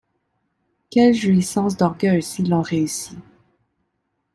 Quelle jouissance d’orgueil, si l’on réussit!